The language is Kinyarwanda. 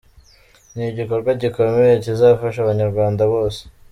Ni igikorwa gikomeye kizafasha abanyarwanda bose.